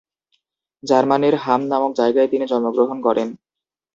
জার্মানীর হাম নামক জায়গায় তিনি জন্মগ্রহণ করেন।